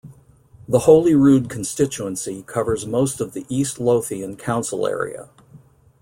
The Holyrood constituency covers most of the East Lothian council area.